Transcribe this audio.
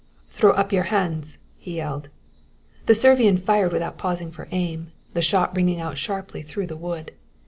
"Throw up your hands," he yelled. The Servian fired without pausing for aim, the shot ringing out sharply through the wood.